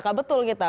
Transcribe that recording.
celaka betul kita